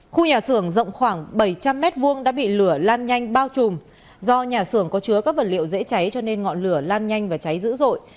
khu nhà xưởng rộng khoảng bảy trăm linh m hai đã bị lửa lan nhanh bao trùm do nhà xưởng có chứa các vật liệu dễ cháy cho nên ngọn lửa lan nhanh và cháy dữ dội